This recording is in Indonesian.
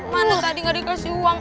mana tadi nggak dikasih uang